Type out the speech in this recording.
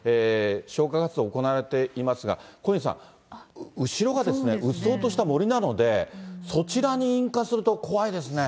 消火活動、行われていますが、小西さん、後ろがうっそうとした森なので、そちらに引火すると怖いですね。